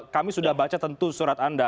kami sudah baca tentu surat anda